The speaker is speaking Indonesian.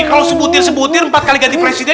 kalau sebutir sebutir empat kali ganti presiden